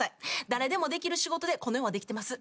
誰でもできる仕事でこの世はできてます。